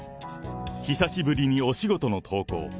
久しぶりにお仕事の投稿。